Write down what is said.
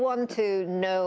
anda ingin tahu